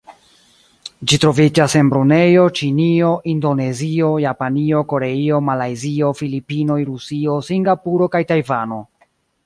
Ĝi troviĝas en Brunejo, Ĉinio, Indonezio, Japanio, Koreio, Malajzio, Filipinoj, Rusio, Singapuro kaj Tajvano.